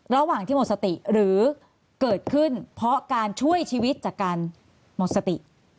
ระหว่างที่หมดสติหรือเกิดขึ้นเพราะการช่วยชีวิตจากการหมดสติ